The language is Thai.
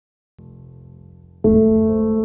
โปรดติดตามตอนต่อชีวิต